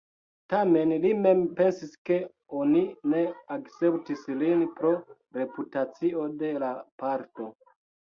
Tamen li mem pensis ke oni ne akceptis lin pro reputacio de la patro.